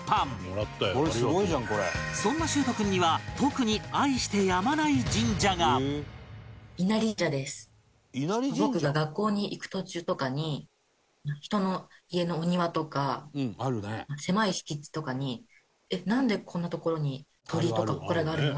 そんな秀斗君には特に僕が学校に行く途中とかに人の家のお庭とか狭い敷地とかにえっなんでこんな所に鳥居とか祠があるの？